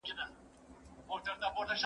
د ټاکنو موخه څه ده؟